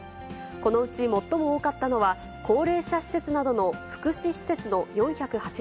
このうち、最も多かったのは、高齢者施設などの福祉施設の４８３件。